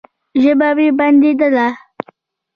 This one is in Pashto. ژبه مې بنديدله.